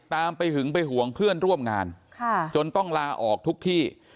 ตามไปหึงไปห่วงเพื่อนร่วมงานจนต้องลาออกทุกที่